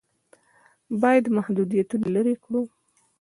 باید محدودیتونه لرې کړو.